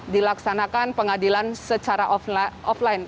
dilaksanakan pengadilan secara offline